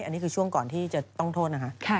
อันนี้คือช่วงก่อนที่จะต้องโทษนะคะ